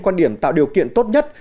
quan điểm tạo điều kiện tốt nhất